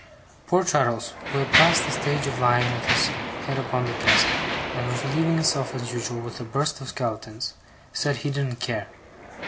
Poor Traddles, who had passed the stage of lying with his head upon the desk, and was relieving himself as usual with a burst of skeletons, said he didn't care.